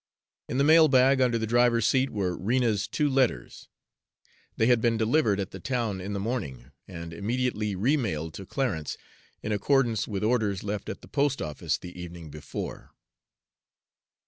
In the mail bag under the driver's seat were Rena's two letters; they had been delivered at the town in the morning, and immediately remailed to Clarence, in accordance with orders left at the post office the evening before.